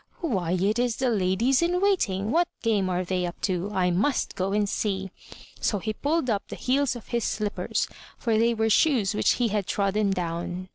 "Why it is the ladies in waiting! What game are they up to? I must go and see!" So he pulled up the heels of his slippers for they were shoes which he had trodden down.